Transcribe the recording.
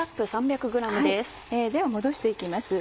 では戻して行きます。